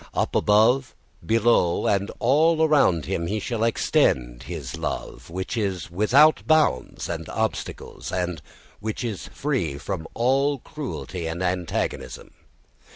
Up above, below, and all around him he shall extend his love, which is without bounds and obstacles, and which is free from all cruelty and antagonism.